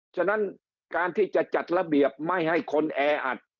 ฉะนั้นการที่จะจัดระเบียบไม่ให้คนแออัด